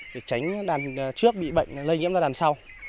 để tránh đàn trước bị bệnh lây nhiễm ra đàn sau